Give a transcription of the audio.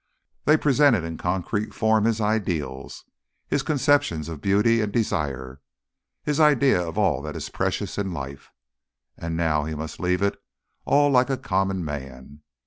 They presented in concrete form his ideals, his conceptions of beauty and desire, his idea of all that is precious in life. And now he must leave it all like a common man.